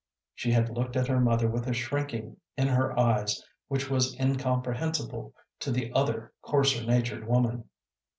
She had looked at her mother with a shrinking in her eyes which was incomprehensible to the other coarser natured woman.